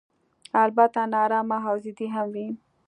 البته نا ارامه او ضدي هم وي.